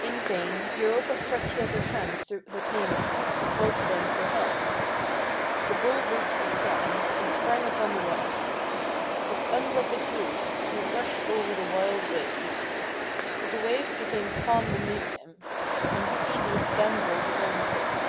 In vain Europa stretched out her hands to her playmates, and called to them for help. The Bull reached the strand, and sprang upon the water. With unwetted hoofs he rushed over the wild waves. But the waves became calm beneath him, and sea beasts gambolled around him.